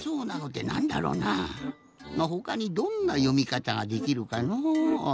まあほかにどんなよみかたができるかの。